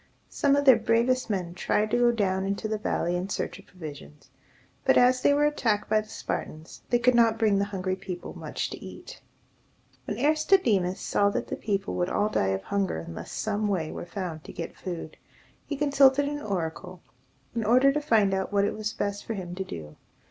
Some of their bravest men tried to go down into the valley in search of provisions; but, as they were attacked by the Spartans, they could not bring the hungry people much to eat. When Aristodemus saw that the people would all die of hunger unless some way were found to get food, he consulted an oracle, in order to find out what it was best for him to do.